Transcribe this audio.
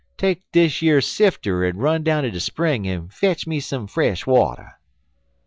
Take dish yer sifter, en run down't de spring en fetch me some fresh water.'